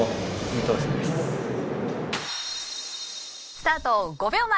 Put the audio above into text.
スタート５秒前！